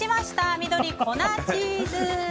緑、粉チーズ。